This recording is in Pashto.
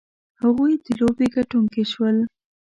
هغوی د لوبې ګټونکي شول.